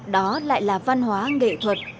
đó lại là văn hóa nghệ thuật